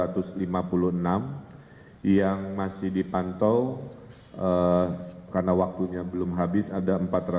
ada beres dua ratus lima puluh enam yang masih dipantau karena waktunya belum habis ada empat ratus empat puluh delapan